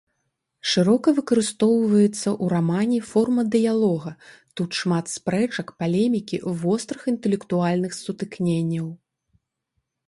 Шырока выкарыстоўваецца ў рамане форма дыялога, тут шмат спрэчак, палемікі, вострых інтэлектуальных сутыкненняў.